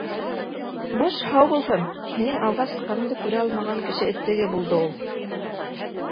- Баш һау булһын! һинең алға сыҡҡаныңды күрә алмаған кеше эттеге булды ул!